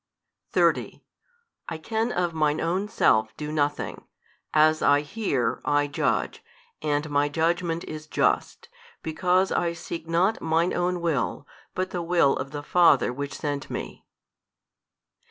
30 I can of Mine Own Self do nothing: as I hear, I judge, and My Judgment is just, because 1 seek not Mine Own Will, but the Will of the Father Which sent Me.